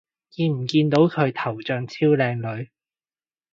見唔見到佢頭像超靚女